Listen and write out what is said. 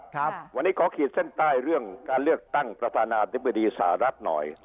ครับวันนี้ขอขีดเส้นใต้เรื่องการเลือกตั้งประธานาธิบดีสหรัฐหน่อย